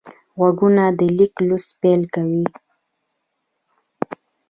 غوږونه د لیک لوست پیل کوي